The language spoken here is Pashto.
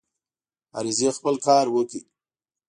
عریضې خپل کار وکړ.